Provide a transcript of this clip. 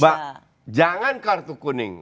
bahwa jangan kartu kuning